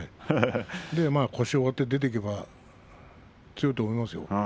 腰を割って出ていけば強いと思いますよ。